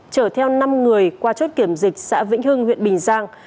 chở theo năm người qua chốt kiểm dịch xã vĩnh hưng huyện bình giang